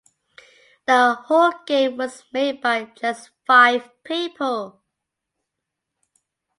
The whole game was made by just five people.